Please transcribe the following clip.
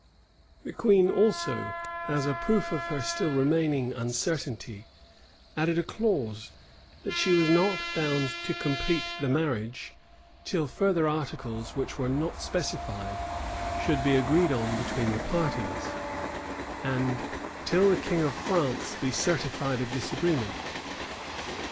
The queen also, as a proof of her still remaining uncertainty, added a clause, that she was not bound to complete the marriage, till further articles, which were not specified, should be agreed on between the parties, and till the king of France be certified of this agreement.